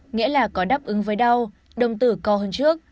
nghĩa là có đáp ứng với đau đồng tử to hơn trước